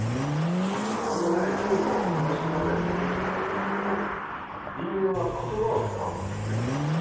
うんそれはね今日の話の中にも出てきたと思うけど人間は言葉を使うんですね。